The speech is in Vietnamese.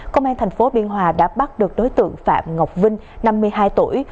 công an thành phố biên hòa đã bắt được đối tượng phạm ngọc vinh năm mươi hai tuổi